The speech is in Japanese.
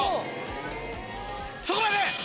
そこまで！